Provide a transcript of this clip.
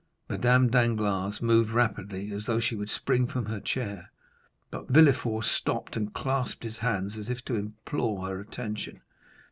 Madame Danglars moved rapidly, as though she would spring from her chair, but Villefort stopped, and clasped his hands as if to implore her attention.